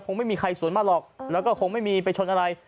ไม่มีใครสวนมาหรอกแล้วก็คงไม่มีไปชนอะไร